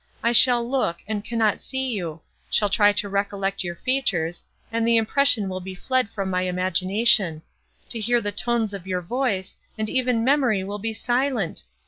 I shall look, and cannot see you; shall try to recollect your features—and the impression will be fled from my imagination;—to hear the tones of your voice, and even memory will be silent!